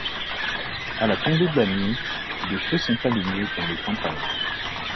À la tombée de la nuit, des feux sont allumés dans les campagnes.